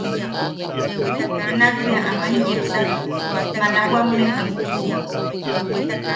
Nakbea aman yepsak malawamewi.